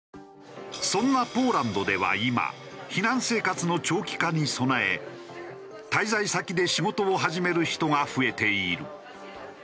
そんなポーランドでは今避難生活の長期化に備え滞在先で仕事を始める人が増えている。